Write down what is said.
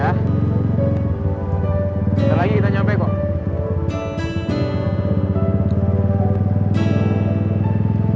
sekali lagi kita nyampe kok